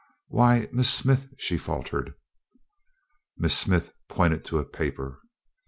"Why Miss Smith!" she faltered. Miss Smith pointed to a paper.